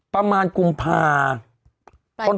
ประมาณกุมภา